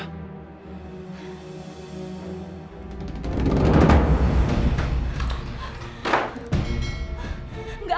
aku seluruh versi